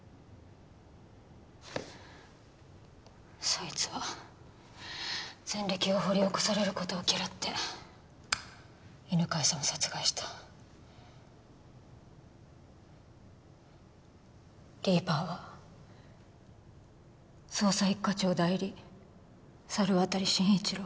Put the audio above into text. そいつは前歴を掘り起こされることを嫌って犬飼さんを殺害したリーパーは捜査一課長代理猿渡紳一郎